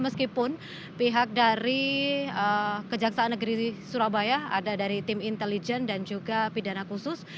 meskipun pihak dari kejaksaan negeri surabaya ada dari tim intelijen dan juga pidana khusus